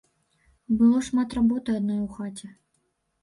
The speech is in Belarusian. Было шмат работы адной у хаце.